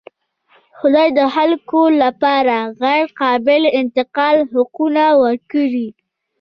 خدای د خلکو لپاره غیرقابل انتقال حقونه ورکړي.